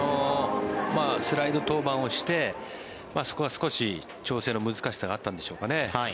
スライド登板をしてそこは少し調整の難しさがあったんでしょうかね。